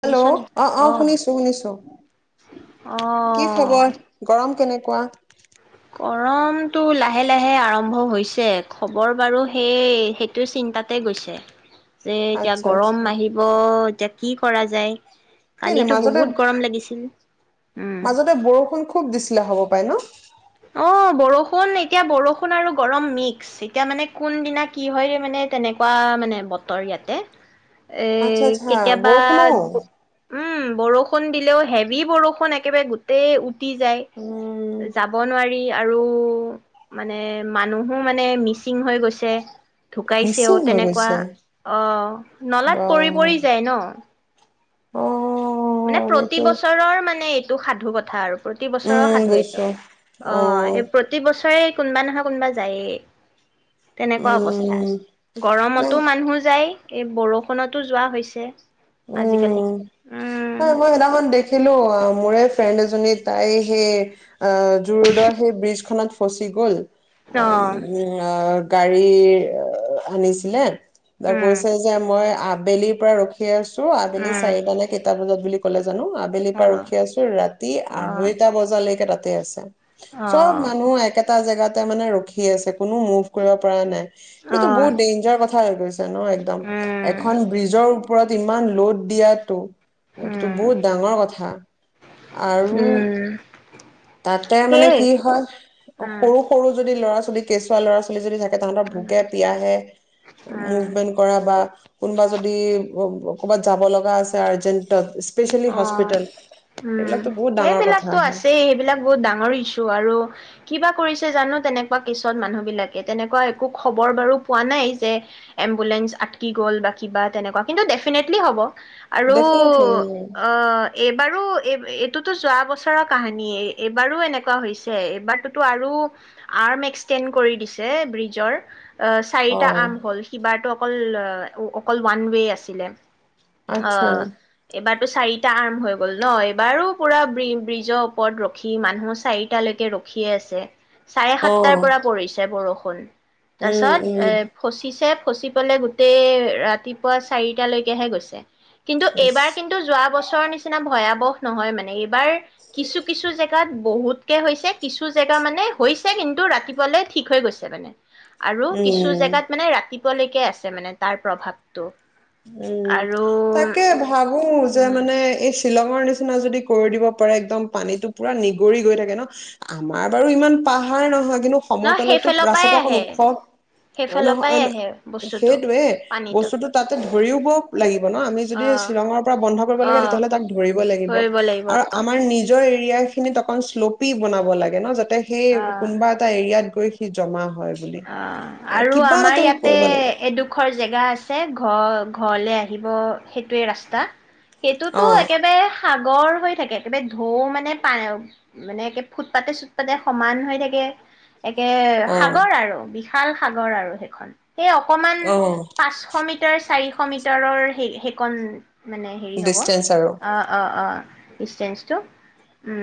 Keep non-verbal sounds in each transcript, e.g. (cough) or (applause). Hello শুনিছ নেকি? অ, অ', শুনিছো শুনিছো কি অ'। খবৰ? গৰম কেনেক কোৱা। গৰমটো লাহে লাহে আৰম্ভ হৈছে খবৰ বাৰু সেই সেইটো চিন্তাতে গৈছে। যে এতিয়া আচ্ছা গৰম আচ্ছা আহিব এতিয়া কি কৰা যায়? কেলে কালিতো মাজতে বহুত গৰম লাগিছিল। উম। মাজতে বৰষুণ খুব দিছিলে হ'ব পাৰে ন অ', বৰষুণ এতিয়া বৰষুণ আৰু গৰম মিক্স এতিয়া মানে কোনদিনা কি হয় মানে তেনেকুৱা মানে বতৰ ইয়াতে। এ আচ্ছা আচ্ছা কেতিয়াবা বৰষুণো উম, বৰষুণ দিলেও হেভি বৰষুণ একেবাৰে গোটেই তি উম যায় যাব কি আৰু মানে মানুহো মানে মিচিং হৈ গৈছে ঢুকাইছেও মিচিং হৈ তেনেকুৱা গৈছে অ', বা নলাত পৰি পৰি যায় ন'। অ'। মানে প্ৰতি সেইটো বছৰৰ মানে দুখ সাধু কথা আৰু প্ৰতি বছৰৰ উম সাধু এইটো বুজিছো অ এই প্ৰতি বছৰে কোনোবা নহয় কোনোবা যায়েই। তেনেকুৱা অৱস্থা উম নাই গৰমতো মানুহ যায় এই বৰষুণতো যোৱা হৈছে। আজিকালি অ উম হয় মই সেইদিনাখন দেখিলো মোৰে ফ্ৰেণ্ড এজনী তাই সেই অ জো ৰোডৰ সেই ব্ৰীজ খানাত ফচি গ'ল অ (inaudible) গাড়ীৰ আনিছিলে এ, উম কৈছে যে মই আ বেলিৰ পৰা ৰখি খে ত আবেলি উম চাৰিটা নে কেইটা বজাত বুলি জানো আবেলিৰ অ পৰা ৰখি আছো ৰাতি অ আঢ়ৈটা বজালৈকে তাত তে আছে। অ চব মানুহ একেটা জেগাত টা মানে ৰখি আছে। কোনো মুভ কৰিব পৰা নাই অ এইটো বহুত ডেইঞ্জাৰ কথা হয় গৈছে টেঙৰ একদম উম এখন ব্ৰিজৰ ওপৰত ইমান লোদ দিয়াতটো এইটোটো উম বহুত ডাঙৰ কথা, আৰু উম তাতে মানে সেই কি হয়, উম সৰু সৰু যদি ল'ৰা ছোৱালী, কেঁচুৱা ল'ৰা ছোৱালী যদি থাকে তাহাঁতৰ উম ভোকে পিয়াহে উম মুভমেণ্ট কৰা বা কোনোবা যদি ক'ৰবাত যাব লগা আছে আৰ্জেণ্টত অ উম বহুত ডাঙৰ কথা সেইবিলাকতো হয় আছেই সেইবিলাক বহুত ডাঙৰ ইছু আৰু কিবা কৰিছে জানো তেনেকুৱা কেছত মানুহ বিলাকে। তেনেকুৱা একো খবৰ বাৰু পোৱা নাই যে এম্বুলেন্ঞ্চ আটকি গ'ল বা কিবা তেনেকুৱা কিন্তু ডেফিনেটলি হ'ব। আৰু ডেফিনেটলি উ অ এইবাৰো এই এই এইটোতো যোৱা বছৰৰ কাহিনী। এইবাৰো এনেকুৱা হৈছে। এইবাৰতোতো আৰু আৰ্ম এক্সিডেণ্ট কৰি দিছে ব্ৰিজৰ। অ চাৰিটা আম অ হ'ল। সিবাৰটো অকল অকল ওৱান ৱে আছিলে অ আচ্ছা এইবাৰ চাৰিটা আৰ্ম হৈ গ'ল ন? এইবাৰো পুৰা ব্ৰিজ ব্ৰিজৰ ওপৰত ৰখি মানুহ চাৰিটালৈকে ৰখিয়ে আছে চাৰে অ সাতটাৰ পৰা পৰিছে বৰষুণ। কল তাৰ উম উম পিছত এ ফচিছে। ফচি পালে গোটেই ৰাতিপুৱা চাৰিটালৈকেহে গৈছে কিন্তু, ইছ এইবাৰ কিন্তু যোৱা বছৰৰ নিচিনা ভয়াৱহ নহয় মানে এই বাৰ কিছু-কিছু জেগাত বহুতকে হৈছে কিছু জেগা মানে হৈছে কিন্তু ৰাতিপুৱালে ঠিক হৈ গৈছে মানে আৰু কিছু উম জেগাত মানে ৰাতি লেকে আছে মানে তাৰ প্ৰভাৱতটো উম তাকে ভাবো যে উম, মানে শ্বিলঙৰ নিচিনা যদি কৰি দিব পাৰে একদম পানীটো পুৰা নিগৰি গৈ থাকে ন? আমাৰ বাৰু ইমান পাহাৰ নহয়। কিন্তু ন সমতলতো সেইফালৰ পৰাই ৰাস্তাটো অকণ আহে ওখ সেইফালৰ পৰাই নহয় আহে বস্তুটো। সেইটয়ে পানীটো বস্তুটো ধৰিবক লাগিব ব ন, আমি যদি অ', শ্বিলঙৰ পৰা বন্দ কৰিব লাগে, অ', তিতিয়াহলে তাক ধৰিব লাগিব। ধৰিব লাগিব আৰু আমাৰ নিজৰ এৰি- ৰিয়া খিনি অকন শ্লপি বনাব লাগে ন, যা তে সেই কোনোবা এটা এৰিয়াত গৈ- সি জমা- হয় বুলি অহ', আৰু কিবা আমাৰ এটাটো ইয়াতে কৰিব লাগিব এডোখৰ জেগা আছে ঘ ঘ ঘৰলৈ আহিব সেইটোৱে ৰাস্তা। সেইটোতো অ একেবাৰে সা- সাগৰ হৈ থাকে। একেবাৰে ঢৌ মানে পা মানে একে ফুটপাতে-চুটপাতে সমান হৈ থাকে। একাকে অ সাগ- অ বিশাল সাগৰ আৰু সেইখন। সেই অকনমান অ পাঁচশ মিটাৰ চাৰি- শ মিটাৰৰ সেই সেইকণ- মানে হেৰি হ'ব। ডিচটেন্স আৰু অহ অহ অহ। ডিষ্টেঞ্চতো।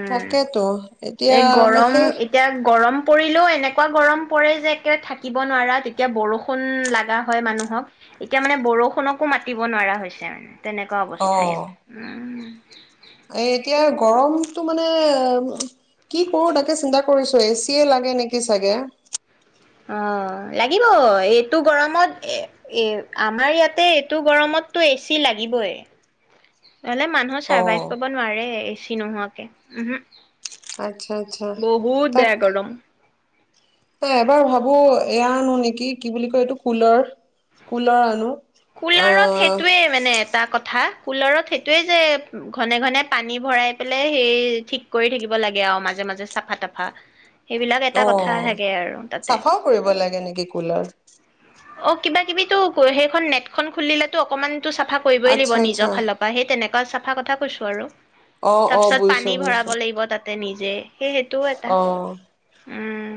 তাকেতো। এতিয়া এই গৰম সেই এতিয়া- গৰম পৰিলেও এনেকুৱা গৰম পৰে যে একেবাৰে থাকিব নোৱাৰা, তেতিয়া বৰষুণ লগা হয় মানুহক। এতিয়া মানে বৰষুণকো মাতিব নোৱাৰা হৈছে মানে। তেনেকুৱা অ অৱস্থা ইয়াত। উম', এই এতিয়া গৰমটো মানে কি কৰোঁ, তাকে চিন্তা কৰিছোঁ। এচিয়ে লাগে নেকি চাগে। অহ, লাগিব। এইটো গৰমত এ এ, আমাৰ ইয়াতে এইটো গৰমততো এচি লাগিবই। নহ'লে মানুহে অ চাৰ্ভাইভ কৰিব নোৱাৰে এ- চি নোহোৱাকে। উম হম। আচ্ছা আচ্ছা। তাক গৰম তে', এবাৰ ভাবোঁ এয়া আনু নেকি? কি বুলি কয় এইটো কুলৰ, কুলৰ আনু। কুলাৰত সেইটোৱে মানে এটা কথা। কুলাৰত সেইটোৱে যে, ঘনে ঘনে পানী ভৰাই পেলাই সেই ঠিক কৰি থাকিব লাগে আৰু মাজে মাজে চাফা-তাফা। অহ, চাফাও কৰিব লাগে নেকি কুলাৰ? অহ, কিবা কিবিতো ক সেইখন নেটখন খুলিলো অকনমান- তো চাফা কৰিবই আচ্ছা লাগিব আচ্ছা নিজৰ ফালৰ পৰা। সেই তেনেকুৱা চাপ- ফা কথা কৈছোঁ আৰু। অহ অহ, বুজিছোঁ বুজিছোঁ। তে নিজে- সেই সেইটোও এটা। উম।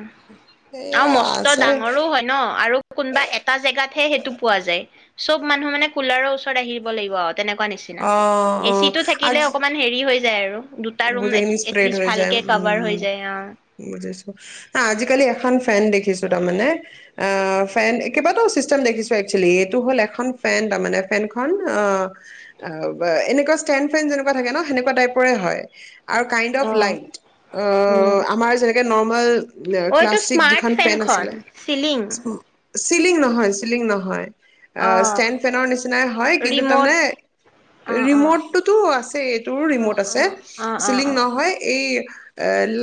আৰু সেয়া মস্ত আছে ডাঙৰো হয় ন আৰু কোনোবা এটা জেগাত হে সেইটো পোৱা যায় চব মানুহ মানে কুলাৰৰ ওচৰত আহিব লাগিব। তেনেকুৱা নিচিনা অ এচি টো থাকিলে অকমান হেৰি হৈ যায় আৰু দুটা ৰুম বুজখিন স্প্ৰেড এটলিষ্ট হৈ যায় ভালকে কাভাৰ হৈ যায় অ। উম বুজাইছো আ আজিকালি এখন ফেন দেখিছো তাৰমানে অ ফেন কেইবাটাও চিষ্টেম ফেন দেখিছো তাৰমানে একচুৱেলি এইটো হ'ল এখন ফেন তাৰমানে ফেনখনন অ এনেকুৱা ষ্টেণ্ড ফেন যেনেকুৱা থাকে ন সেনেকুৱা টাইপৰে হয়। (unintelligible) আৰু kind of O, light um. Normal এইটো ক্লাছিক স্মাৰ্ট যিখন ফেন ফেনখন আছিলে চিলিং চিলিং নহয় চিলিং নহয়। ষ্টেণ্ড ফেনৰ নিচিনাই হয় কিন্তু ৰিম'ট তাৰমানে অ', অ', অ', ৰিমটটোতো আছে এইটো ৰিমট অ', আছে অ', অ', চিলিং অ'। নহয় এই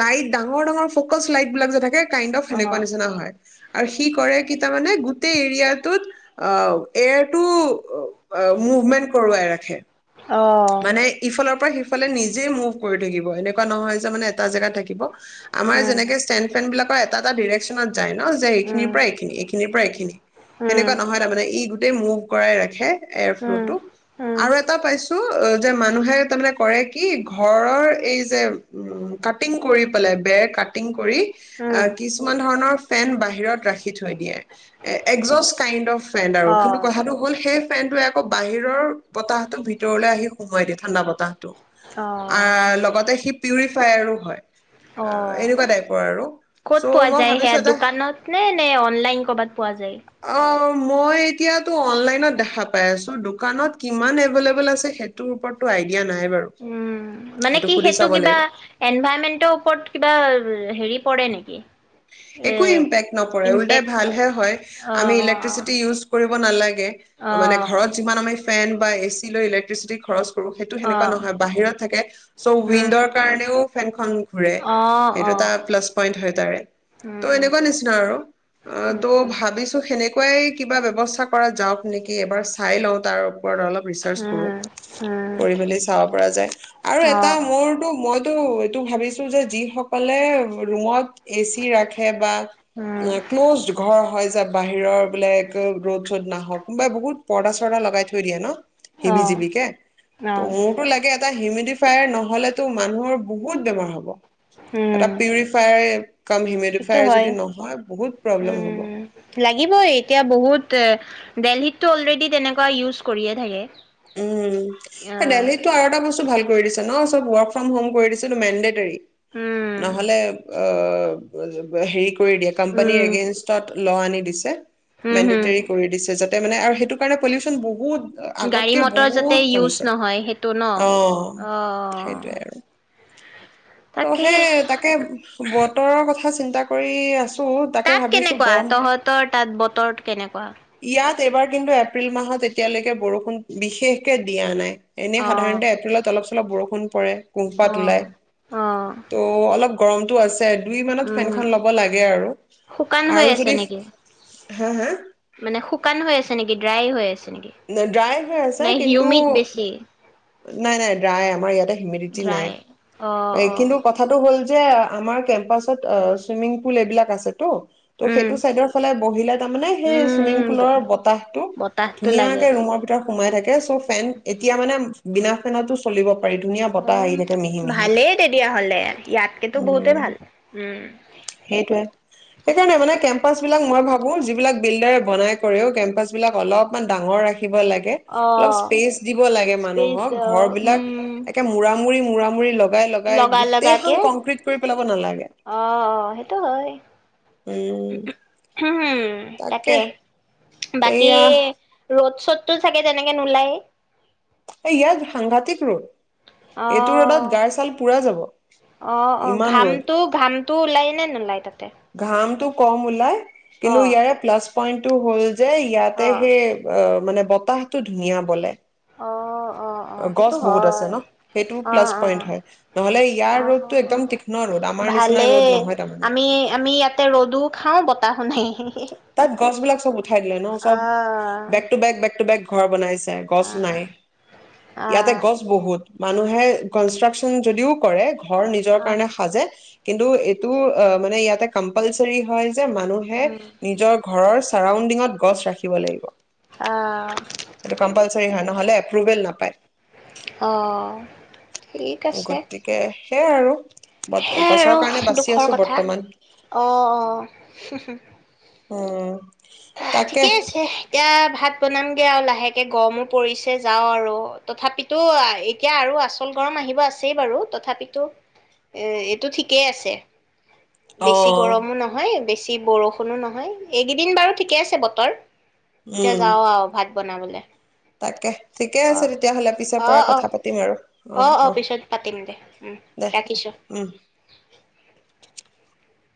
লাইট ডাঙৰ ডাঙৰ ফ'কচ লাইট বিলাক যে থাকে। কিণ্ড অফ যেনেকুৱা অ', অ', নিচনা হয়। আৰু সি কৰে কি তাৰমানে গোটেই এৰিয়াটোত অ এয়াৰটো মুভমেন্ট কৰোৱাই ৰাখে। মানে ইফালৰ পৰা সিফাল ফালে নিজেই মুভ কৰি থাকিব এনেকুৱা নহয় যে মানে এটা জেগা থাকিব আমাৰ উম, যেনেকে ষ্টেন ফেন বিলাক এটা এটা ডিৰেকচনত যায় ন যে এইখিনিৰ উম, পৰা এইখিনি এইখিনিৰ পৰা এইখিনি উম, সেনেকুৱা নহয় তাৰমানে ই গোট গোটই মুভ কৰাই ৰাখে। এয়াৰ ফ্লু উম, টো উম, আৰু এটা পাইছো। যে মানুহে তাৰানে কৰে কি ঘৰৰ এই যে কাটিং কৰি পেলাই বেৰ কাটিং কৰি আৰু উম, কিছুমান ধৰণৰ ফেন বাহিৰত ৰাখি থৈ দিয়ে একজষ্ট কাইণ্ড অফ। ফ্ৰেণ্ড আৰু কিন্তু অ', কথাটো হ'ল সেই পেনটটোে আকৌ বাহিৰৰ বতাহতো ভিতৰত ভিতৰলৈ আহি সমোয়ায় দে ঠাণ্ডা বতাহটো। আহ লগতে সি পিউৰিফায়াৰো হয় অ আহ এনেকুৱা টাইপৰ আৰু ক'ত চ' পোৱা মই যায় ভাবিছো সেয়া এটা দোকানত নে নে অনলাইন কৰ'বাত পোৱা যায় অ মই এতিয়াটো অনলাইনত দেখা পাই আছোঁ দোকানত কিমান এভেইলেবুল। আছে সেইৰ ওপৰতটোই। উম, মানে কি, সেইটো চাব কিবা, লাগিব। এনভাইমেন্টৰ ওপৰত, কিবা হেৰি। পৰে নেকি? এ একো ইম্পেক্ট নপৰে, উল্টাই ইম্পেক্ট অ', ভালহে হয়। আমি অ', ইলেক্ট্ৰিচিটি ইউজ কৰিব নালাগে। মানে অ', ঘৰত যিমান আমি, ফেন বা এ চি লৈ ইলেক্ট্ৰিচিটি খৰচ সেইটো সেনেকুৱা নহয়, বাহিৰত থাকে, চ' উম, উইণ্ডৰ কাৰণেও ফেনখন ঘুৰে, অ', সেইটো এটা অ', প্লাছ পইন্ট হয় তাৰে উম, ত' উম, এনেকুৱা নিচিনা আৰু অ', উম, উম, ত' ভাবিছো সেনে এনেকুৱাই কিবা ব্যৱস্থা কৰা যাওঁক নেকি, এবাৰ চাই লওঁ তাৰ ওপৰত অলপ ৰিচাৰ্চ কৰোঁ, উম, উম, কৰি মেলি চাব পৰা যায়, আৰু এটা অ', মোৰতো মই এইটো, এইটো ভাবিছোঁ যে যিসকলে ৰুমত ৰকী ৰাখে বা উম, ক্ল'জড ঘৰ হয় যে বাহিৰৰ বোলে গ ৰ'দ ৰ'দ নাহওঁক, কোনোবাই বহুত পৰ্দা চৰ্দা লগাই থৈ দিয়ে ন'? অ', হিবি-জিবিকে ত' অ', মোৰতো লাগে এটা হিউমিডিফায়াৰ নহলেতো মানুহৰ বহুত বেমাৰ হ'ব। এ উম, পিউৰিফায়াৰ। কম সেইটো হিউমেডিফায়াৰ হয়। যদি নহয় বহুত প্ৰব্লেম হ'ব উম, লাগিবই এতিয়া বহুত এ, দেলহীত টো অলৰেডী তেনেকুৱা ইউজ কৰিয়েই থাকে। উম, উম দেলহীতটো আৰু এটা বস্তুত ভাল কৰি দিছে ন'চব ৱৰ্ক ফ্ৰম হোম কৰি দিছে, এইটো মেণ্ডেটাৰী উম নহলে অ', হেৰি কৰি দিয়ে কোম্পানীৰ উম এগেইনষ্টত ল আনি দিছে। হম হম মেণ্ডেটাৰী কৰি দিছে যাতে তাৰ মানে আৰু সেইটো কাৰণে পলিউশ্যন বহুত আগত ত যাতে ইউজ নহয়, সেইটো ন', অ' সেইটোৱে আৰু ত' তাকে সেই তাকে, বতৰৰ কথা চিন্তা কৰি আছোঁ তাত কেনেকুৱা? তহঁতৰ তাত বতৰ কেনেকুৱা? ইয়াত এইবাৰ কিন্তু এপ্ৰিল মাহত, এতিয়ালৈকে, বৰষুণ বিশেষকে দিয়া নাই। এনেই অ সাধাৰণতে এপ্ৰিলত অলপ অলপ বৰষুণ পৰে অ কোহপাত ওলাই অ ত অলপ গৰমটো আছে দে দুই মানত উম ফেনখন লব লাগে আৰু শুকান হৈ আৰু আছে যদি নেকি হা হা মানে শুকান হৈ আছে নেকি ড্ৰাই হৈ আছে নেকি ড্ৰাই হৈ আছে নাই কিন্তু হিউমিড বেছি নাই নাই ড্ৰাই আমাৰ ইয়াতে হিমিডিটি নাই ড্ৰাই অ অ কিন্তু কথাটো হ'ল যে আমাৰ কেম্পাচত অ চুইমিং পুল এইবিলাক আছে ত ত' উম সেইটো চাইদৰ ফালে বহিলে তামানে সেই চুইমিং উম পুলৰ বতাহ টো বতাহটো ধুনীয়াকে লাগে ৰুমৰ ভিতৰত সোমাই থাকে এ চফ ফেন এতিয়া মানে বিনা ফেনটো চলিব পাৰি ধুনীয়া অ বতাহ আহি থাকে মিহি মিহি ভালেই তেতিয়া হলে ইয়াত কেতো বহুতে উম। ভাল উম ফ'ৰ্চ বিলাক মই ভাবো যি বিলাক বিল্ডাৰে বনাই কৰেও কেম্পাছ বিলাক অলপমান ডাঙৰ ৰাখ দিব লাগে অলপ অ', ইছপেচ দিব লাগে মানুহ স্পেচ ঘৰ বিলাক উম, একে মুৰা মুৰি মুৰি মুৰা মুৰি লগ লগা লগাকে পেলাব নালাগে অ সেইটো হয় উম উ তাকে বাকী এইয়া ৰ'দ চত টো চাগে তেনেকে নোলায়ে এই ইয়াত সাংঘাটিক ৰ'দ অ এইটো ৰ'দত গাৰ ছাল পুৰা যাব আহ অ ইমান ৰ'দ ঘামটো ঘামটো ওলাই নে নোলাই তাতে ঘামটো কম ওলাই কিন্তু অ', ইয়াৰে পলাচ পইণ্ট টো হ'ল যে ইয়াতে অ', হে মানে বতাহতটো ধুনীয়া বলে অ', অ অ গছ সেইটো বহুত আছে হয় ন সেইটো অ প্লাছ অ পইন্ট হয় নহ'লে ইয়াৰ অ ৰ'দটো একদম তীক্ষ্ণ ৰ'দ আমাৰ নিচিনা ৰ'দ ভালেই নহয় তাৰমানে আমি আমি ইয়াতে ৰ'দো খাওঁ বতাহ হুনে তাত গছ- বিলাক চব উঠাই দিলে ন', চব। আহ বেক-টো -বেক, বেক-টু -বেক। ঘৰ বনাই গছ আহ নাই ইয়াতে আহ গছ বহুত মানুহে কনষ্ট্ৰাকচন যদিও কৰে ঘৰ নিজৰ আহ কাৰণে সাজে কিন্তু এইটো অ মানে ইয়াতে কম্পালচাৰী হয় যে মানুহে উম ঘৰৰ ছাৰাউণ্ডিঙত গছ ৰাখিব লাগিব। আহ এইটো কম্পালচৰি হয়, নহ'লে- এপ্ৰভেল নাপায় অ', - গতিকে সেইয়া আৰু সেইয়াই গছৰ কাৰণে আৰু বাচি দুখৰ আছো কথা বৰ্তমান অ অ উম অ তাকে ঠিকে আছে এয়া ভাত বনামগে আৰু লাহেকে, গৰমো পৰিছে যাওঁ আৰু তথাপিতো এতিয়া আৰু আচল গৰম আহিব আছেই বাৰু তথাপিতো এ', - -এইটো ঠিকেই আছে। অ বেছি গৰমো নহয়, বেছি অতি বৰষুণো নহয় এইকেইদিন বাৰু ঠিকে আছে বতৰ এতিয়া উম যাও আৰু ভাত বনাবলে তাকে ঠিকে আছে অ', তেতিয়াহ'লে পিছৰ অ', পৰাই অ', কথা পাতিম আৰু অ অ পিছত পাতিম দে উম দে দে ৰাখিছো উম